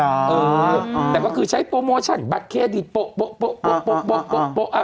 เออแต่ก็คือใช้โปรโมชั่นบัตรเครดิตโป๊ะ